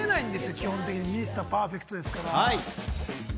基本的にミスターパーフェクトですから。